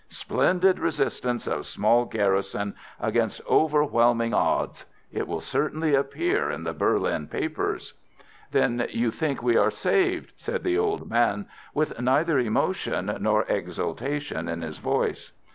Splendid resistance of small garrison against overwhelming odds.' It will certainly appear in the Berlin papers." "Then you think we are saved?" said the old man, with neither emotion nor exultation in his voice.